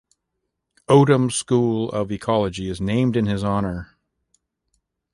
Odum School of Ecology is named in his honor.